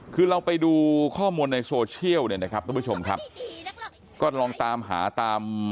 คือเราไปดูข้อมูลในโซเชียลเนี่ยนะครับทุกผู้ชมครับก็ลองตามหาตาม